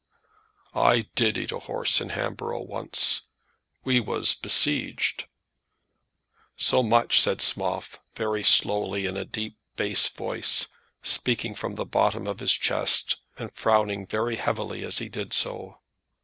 "I did eat a horse in Hamboro' once. We was besieged." So much said Schmoff, very slowly, in a deep bass voice, speaking from the bottom of his chest, and frowning very heavily as he did so.